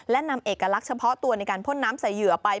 และนำเอกลักษณ์เฉพาะตัวในการพ่นน้ำใส่เหยื่อไป